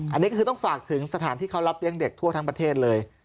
อันนี้ก็คือต้องฝากถึงสถานที่เขารับเลี้ยงเด็กทั่วทั้งประเทศเลย